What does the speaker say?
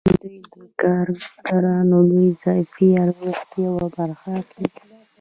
دوی د کارګرانو د اضافي ارزښت یوه برخه اخلي